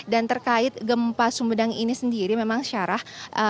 dan terkait gempa sumedang ini sendiri memang syarah